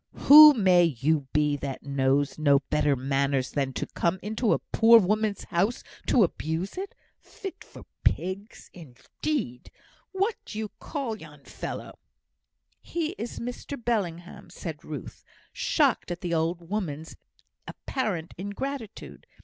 "Who may you be, that knows no better manners than to come into a poor woman's house to abuse it? fit for pigs, indeed! What d'ye call yon fellow?" "He is Mr Bellingham," said Ruth, shocked at the old woman's apparent ingratitude.